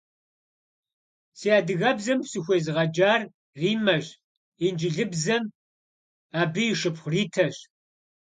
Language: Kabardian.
Сэ адыгэбзэм сыхуезыгъэджар Риммэщ, инджылыбзэм - абы и шыпхъу Ритэщ.